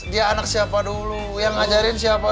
dia anak siapa dulu yang ngajarin siapa